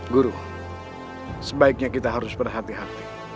guru sebaiknya kita harus berhati hati